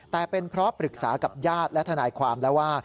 แต่เป็นเพราะปรึกษากับญาติและทนายความแล้วว่า